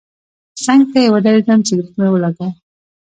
څنګ ته یې ودرېدم سګرټ مې ولګاوه.